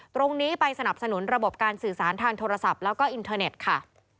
ตรงนี้ไปสนับสนุนระบบการสื่อสารทางโทรศัพท์แล้วก็อินเทอร์เน็ตค่ะ